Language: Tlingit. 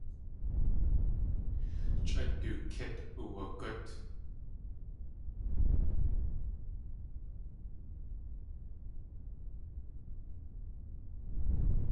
Chʼa du kíkt uwagút.